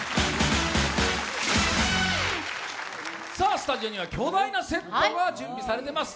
スタジオには巨大なセットが準備されています。